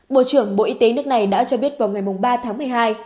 bộ trưởng bộ y tế nước này đã cho biết vào ngày ba tháng một mươi hai